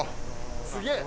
すげえ。